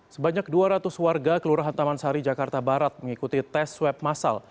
sebanyak dua ratus warga kelurahan taman sari jakarta barat mengikuti tes swab masal